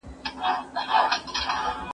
هغه وویل چي ښه خلک د لمر په څېر ګټور دي.